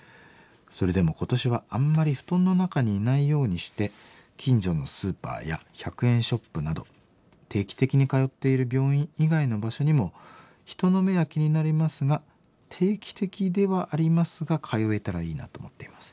それでも今年はあんまり布団の中にいないようにして近所のスーパーや１００円ショップなど定期的に通っている病院以外の場所にも人の目は気になりますが定期的ではありますが通えたらいいなと思っています。